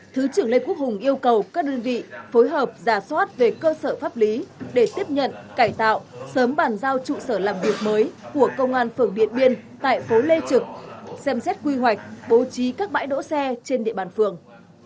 thứ trưởng lê quốc hùng yêu cầu các đơn vị phối hợp giả soát về cơ sở pháp lý để tiếp nhận cải tạo sớm bàn giao trụ sở làm việc mới của công an phường điện biên tại phố lê trực xem xét quy hoạch bố trí các bãi đỗ xe trên địa bàn phường